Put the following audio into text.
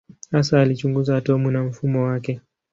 Hasa alichunguza atomu na mfumo wake.